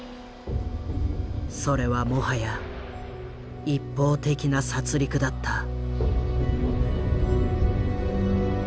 それはもはや一方的な殺戮だった。